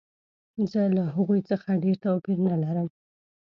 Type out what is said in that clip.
زه له هغوی څخه ډېر توپیر نه لرم